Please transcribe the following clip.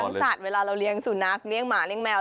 เรียงสัตว์เวลาสุนัขเรียงหมาเรียงแมว